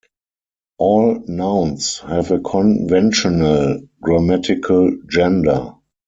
All nouns have a conventional grammatical gender.